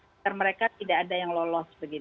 agar mereka tidak ada yang lolos